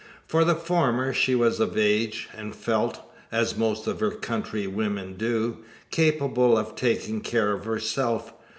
For the former, she was of age; and felt as most of her countrywomen do capable of taking care of herself.